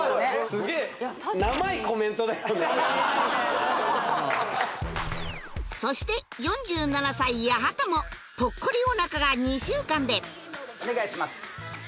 すげえそして４７歳八幡もポッコリお腹が２週間でお願いします